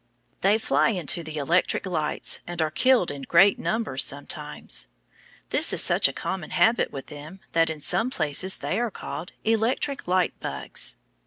They fly into the electric lights, and are killed in great numbers sometimes. This is such a common habit with them that in some places they are called electric light bugs.